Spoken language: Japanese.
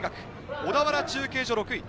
小田原中継所、６位。